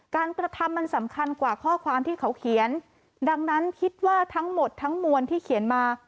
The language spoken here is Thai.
กระทำมันสำคัญกว่าข้อความที่เขาเขียนดังนั้นคิดว่าทั้งหมดทั้งมวลที่เขียนมา